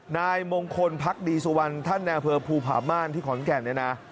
นายมงคลพักดีสุวรรณท่านนายอำเภอภูผาม่านที่ขอนแก่นเนี่ยนะ